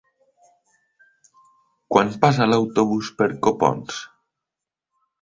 Quan passa l'autobús per Copons?